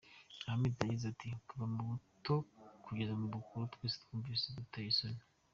Ahmed yagize ati “Kuva ku muto kugeza ku mukuru, twese twumvise aduteye isoni.